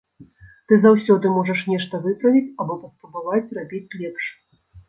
Ты заўсёды можаш нешта выправіць або паспрабаваць зрабіць лепш.